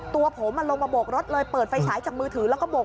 ตัวผมลงมาโบกรถเลยเปิดไฟฉายจากมือถือแล้วก็โบก